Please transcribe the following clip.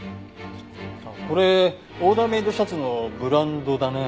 これオーダーメイドシャツのブランドだね。